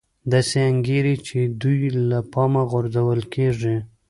داسې انګېري چې دوی له پامه غورځول کېږي